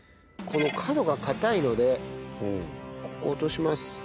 この角が硬いのでここを落とします。